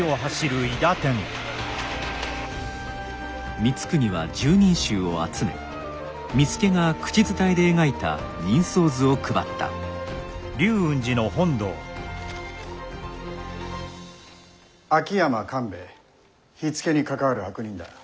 光圀は拾人衆を集め巳助が口伝えで描いた人相図を配った秋山官兵衛火付けに関わる悪人だ。